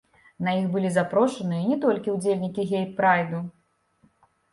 На іх былі запрошаныя не толькі ўдзельнікі гей-прайду.